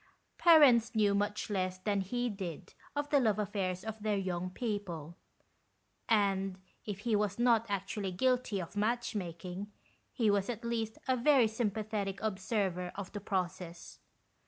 Parents knew much less than he did of the love affairs of their young people; and if he was not actually guilty of match making, he was at least a very sympathetic observer of the process.